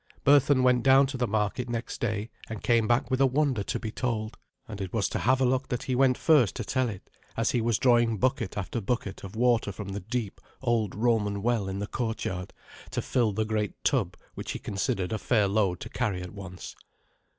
Berthun went down to the market next day, and came back with a wonder to be told. And it was to Havelok that he went first to tell it, as he was drawing bucket after bucket of water from the deep old Roman well in the courtyard to fill the great tub which he considered a fair load to carry at once.